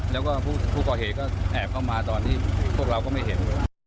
แล้วก็ผู้ก่อเหตุก็แอบเข้ามาตอนที่พวกเราก็ไม่เห็น